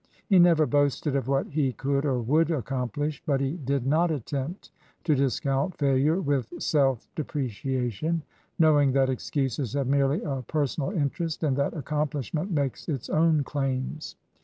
He never boasted of what he could or would accomplish, but he did not attempt to discount failure with self deprecia tion, knowing that excuses have merely a per sonal interest and that accomplishment makes its own claims.